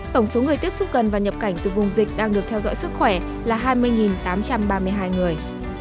tổng số người tiếp xúc gần và nhập cảnh từ vùng dịch đang được theo dõi sức khỏe là hai mươi tám trăm ba mươi hai người